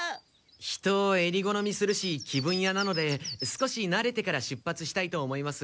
人をえり好みするし気分屋なので少しなれてから出発したいと思います。